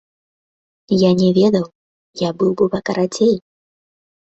Я не ведаў, я быў бы пакарацей.